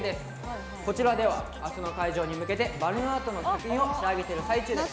こちらでは明日の開場に向けてバルーンアートの作品を仕上げている最中です。